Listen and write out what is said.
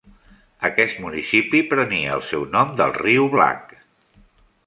Aquest municipi prenia el seu nom del riu Black.